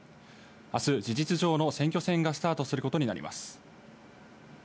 あす、事実上の選挙戦がスタートすることになります。